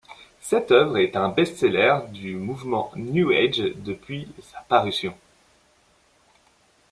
Cette oeuvre est un best-seller du Mouvement New Age depuis sa parution.